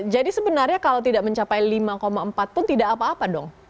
jadi sebenarnya kalau tidak mencapai lima empat pun tidak apa apa dong